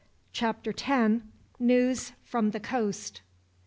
Chapter 10: News From The Coast.